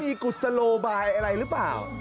มีกุศโลบายอะไรหรือเปล่า